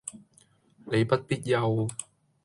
你不必憂